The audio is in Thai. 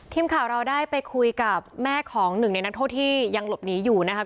ทีมข่าวเราได้ไปคุยกับแม่ของหนึ่งในนักโทษที่ยังหลบหนีอยู่นะคะ